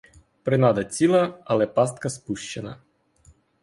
Принада ціла, але пастка спущена.